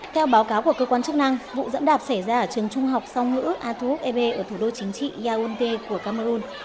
theo báo cáo của cơ quan chức năng vụ dẫm đạp xảy ra ở trường trung học song ngữ atuhuk ebe ở thủ đô chính trị yaunte của cameroon